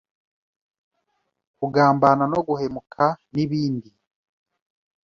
kugambana, no guhemuka, n’ibindi.